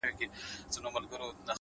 تا بدرنگۍ ته سرټيټی په لېونتوب وکړ ـ